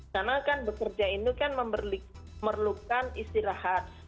karena kan pekerja ini kan memerlukan istirahat